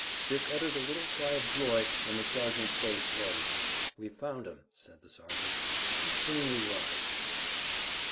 Dick uttered a little cry of joy and the sergeant's face glowed. "We've found 'em," said the sergeant. "And soon we ride," said Dick.